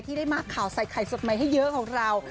ได้มากข่าวใส่ไข่สดใหม่ให้เยอะของเรา